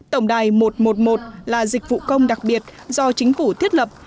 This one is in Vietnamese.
tổng đài một trăm một mươi một là dịch vụ công đặc biệt do chính phủ thiết lập